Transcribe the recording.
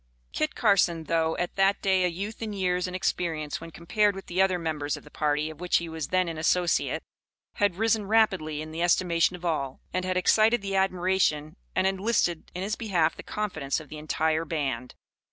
Kit Carson, though at that day a youth in years and experience when compared with the other members of the party of which he was then an associate, had risen rapidly in the estimation of all, and had excited the admiration and enlisted in his behalf the confidence of the entire band.